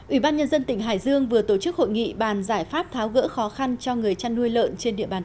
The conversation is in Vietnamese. ủy ban nhân dân tỉnh hải dương vừa tổ chức hội nghị bàn giải pháp tháo gỡ khó khăn cho người chăn nuôi lợn trên địa bàn